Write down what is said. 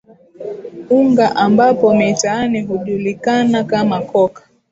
Unga ambapo mitaani hujulikana kama coke